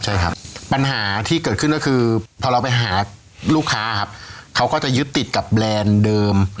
ใช่ครับปัญหาที่เกิดขึ้นก็คือพอเราไปหาลูกค้าครับเขาก็จะยึดติดกับแบรนด์เดิม